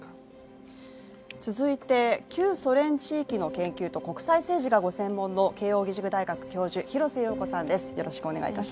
続いて旧ソ連地域の研究と国際政治がご専門の慶応義塾大学教授・廣瀬陽子さんです。